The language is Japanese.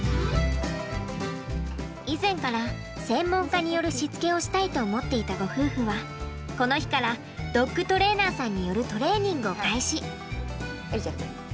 以前から専門家によるしつけをしたいと思っていたご夫婦はこの日からドッグトレーナーさんによるトレーニングを開始。